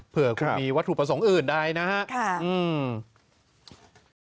เผื่อคุณมีวัตถุประสงค์อื่นได้นะฮะอืม